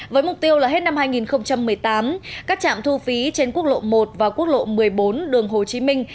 với mục tiêu là hết năm hai nghìn một mươi tám các trạm thu phí trên quốc lộ một và quốc lộ một mươi bốn đường hồ chí minh